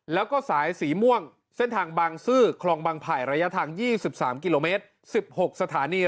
แล้วก็สายสีม่วงเส้นทางบางซื่อคลองบางไผ่ระยะทาง๒๓กิโลเมตร๑๖สถานี